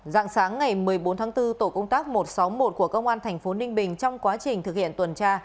dạng sáng ngày một mươi bốn tháng bốn tổ công tác một trăm sáu mươi một của cơ quan thành phố ninh bình trong quá trình thực hiện tuần tra